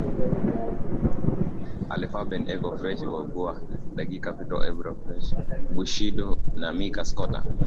Alle Farben Eko Fresh Bausa Dagi Bee Capital Bra Robin Schulz Bushido Namika Scooter